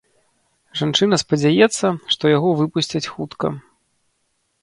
Жанчына спадзяецца, што яго выпусцяць хутка.